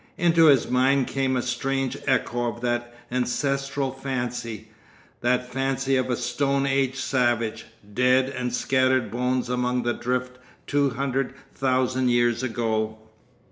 Into his mind came a strange echo of that ancestral fancy, that fancy of a Stone Age savage, dead and scattered bones among the drift two hundred thousand years ago.